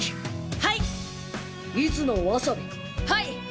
はい。